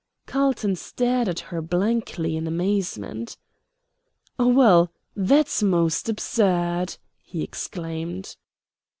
Carlton stared at her blankly in amazement. "Well, that's most absurd!" he exclaimed.